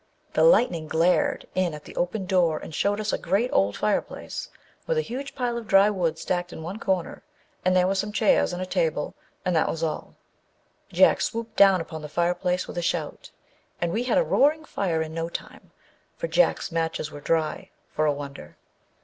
The lightning glared in at the open door and showed us a great, old fireplace, with a huge pile of dry wood stacked in one corner, and there were some chairs and a table, and that was all. Jack swooped down upon the fireplace with a shout, and we had a roaring fire in no time, for Jack's matches were dry, for a wonder.